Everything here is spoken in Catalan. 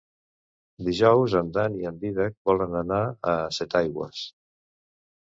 Dijous en Dan i en Dídac volen anar a Setaigües.